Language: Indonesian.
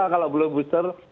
kalau belum booster